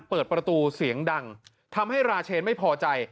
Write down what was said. เปิดประตูเสียงดังทำให้ราเชนไม่พอใจ